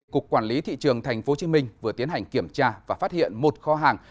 cục quản lý thị trường tp hcm vừa tiến hành kiểm tra và phát hiện một kho hàng